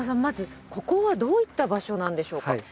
まずここはどういった場所なんでしょうか？